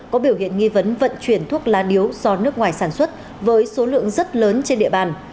có biểu hiện nghi vấn vận chuyển thuốc lá điếu do nước ngoài sản xuất với số lượng rất lớn trên địa bàn